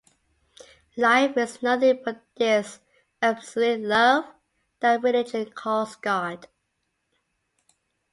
Life is nothing but this absolute love that religion calls God.